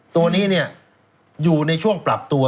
ตัวนี้อยู่ในช่วงปรับตัว